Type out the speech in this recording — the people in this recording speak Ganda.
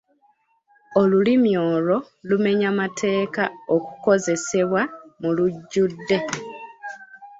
Olulimi olwo lumenya mateeka okukozesebwa mu lujjudde.